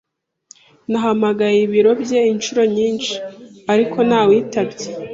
Nahamagaye ibiro bye inshuro nyinshi, ariko ntawitabye.